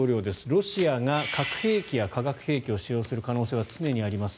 ロシアが核兵器や化学兵器を使用する可能性は常にあります。